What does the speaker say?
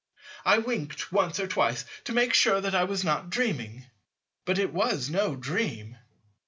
I winked once or twice to make sure that I was not dreaming. But it was no dream.